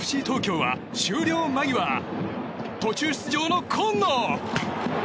ＦＣ東京は終了間際途中出場の紺野！